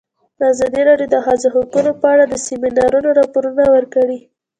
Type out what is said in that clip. ازادي راډیو د د ښځو حقونه په اړه د سیمینارونو راپورونه ورکړي.